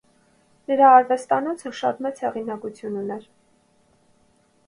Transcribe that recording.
Նրա արվեստանոցը շատ մեծ հեղինակություն ուներ։